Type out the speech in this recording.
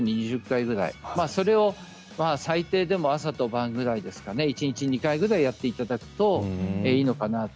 それを最低でも朝と晩ぐらい一日２回ぐらいやっていただくといいのかなと。